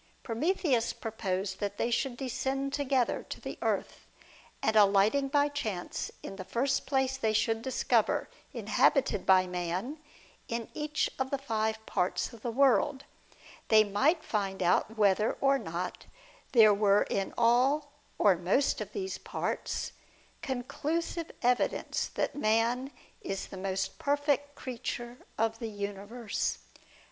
Prometheus proposed that they should descend together to the earth, and alighting by chance in the first place they should discover inhabited by man in each of the five parts of the world, they might find out whether or not there were in all or most of these parts conclusive evidence that man is the most perfect creature of the universe.